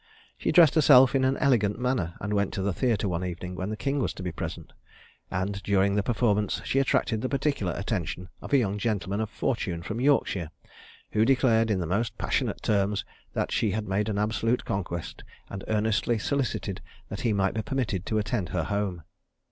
She dressed herself in an elegant manner, and went to the theatre one evening when the king was to be present; and, during the performance, she attracted the particular attention of a young gentleman of fortune from Yorkshire, who declared, in the most passionate terms, that she had made an absolute conquest, and earnestly solicited that he might be permitted to attend her home.